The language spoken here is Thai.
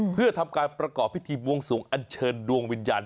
เพื่อทำการประกอบพิธีบวงสวงอันเชิญดวงวิญญาณ